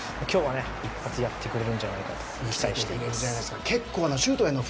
今日は一発やってくれるんじゃないかと。